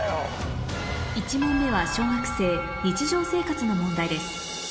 １問目は小学生日常生活の問題です